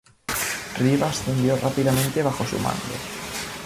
Reeve ascendió rápidamente bajo su mando.